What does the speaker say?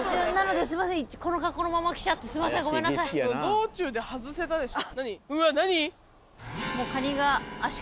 道中で外せたでしょ。